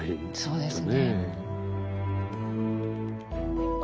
そうですね。